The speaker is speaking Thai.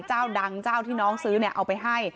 เจ้าดังเจ้าที่น้องซื้อเนี่ยเอาไปให้